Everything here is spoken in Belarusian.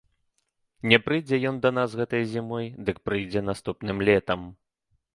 Не прыйдзе ён да нас гэтай зімой, дык прыйдзе наступным летам.